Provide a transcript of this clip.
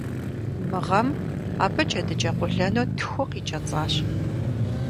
Мы гъэм абы джэдыкӀэ къуэлэну тху къикӀэцӀащ.